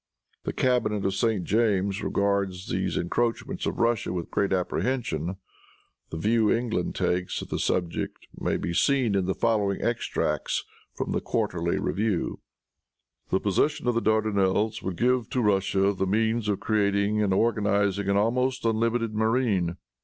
The cabinet of St. James regards these encroachments of Russia with great apprehension. The view England takes of the subject may be seen in the following extracts from the Quarterly Review: "The possession of the Dardanelles would give to Russia the means of creating and organizing an almost unlimited marine.